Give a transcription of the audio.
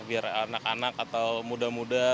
biar anak anak atau muda muda